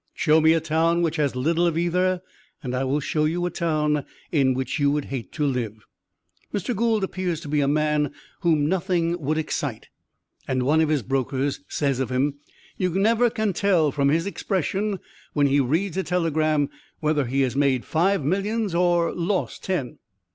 Show me a town which has little of either, and I will show you a town in which you would hate to live. Mr. Gould appears to be a man whom nothing would excite; and one of his brokers says of him: "You never can tell from his expression when he reads a telegram whether he has made five millions or lost ten."